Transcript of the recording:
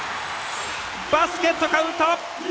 バスケットカウント！